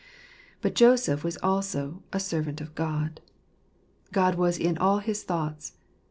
But Joseph was also a servant of God. God was in all his thoughts.